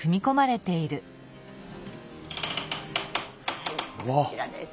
はいこちらです。